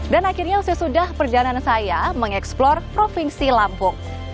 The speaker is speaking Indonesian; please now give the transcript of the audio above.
dan akhirnya sudah sudah perjalanan saya mengeksplor provinsi lampung